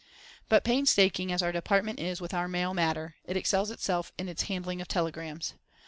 But, painstaking as our Department is with our mailmatter, it excels itself in its handling of telegrams.